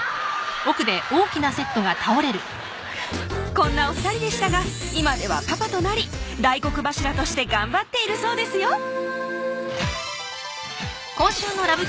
こんなお２人でしたが今ではパパとなり大黒柱として頑張っているそうですよ今日のＬＯＶＥ